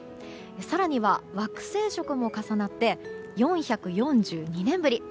更には惑星食も重なって４４２年ぶり。